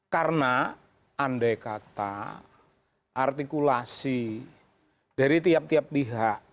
karena andai kata artikulasi dari tiap tiap pihak